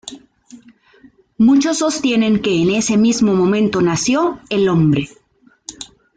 Muchos sostienen que en ese mismo momento nació el nombre.